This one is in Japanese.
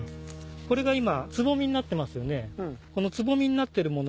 これが今つぼみになってますよね。